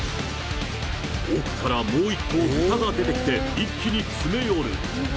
奥からもう１頭ブタが出てきて、一気に詰め寄る。